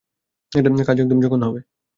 কাজ একদম জঘন্য হবে।